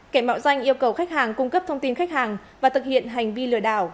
kẻ mạo danh yêu cầu khách hàng cung cấp thông tin khách hàng và thực hiện hành vi lừa đảo